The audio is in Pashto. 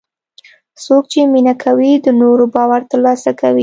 څوک چې مینه کوي، د نورو باور ترلاسه کوي.